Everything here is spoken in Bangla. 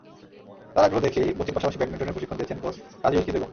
তাঁর আগ্রহ দেখেই বচির পাশাপাশি ব্যাডমিন্টনেও প্রশিক্ষণ দিয়েছেন কোচ কাজী বিলকিস বেগম।